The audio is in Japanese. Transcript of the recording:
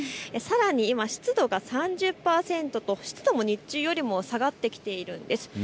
さらに今、湿度が３０％と湿度も日中よりも下がってきているんです。